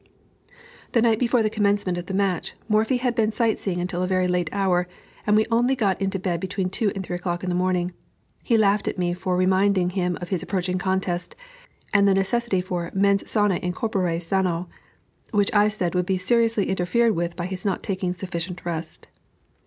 The night before the commencement of the match, Morphy had been sight seeing until a very late hour; and we only got into bed between two and three o'clock in the morning. He laughed at me for reminding him of his approaching contest, and the necessity for mens sana in corpore sano, which I said would be seriously interfered with by his not taking sufficient rest.